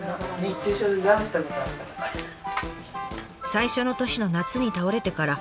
最初の年の夏に倒れてから